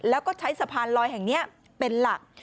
แล้วก็ใช้สะพานลอยแห่งนี้เป็นหลัก